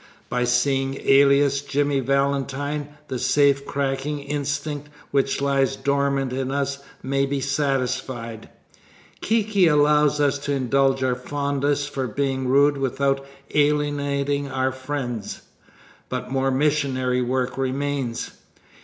By seeing Alias Jimmy Valentine, the safe cracking instinct which lies dormant in us may be satisfied. Kiki allows us to indulge our fondness for being rude without alienating our friends. But more missionary work remains.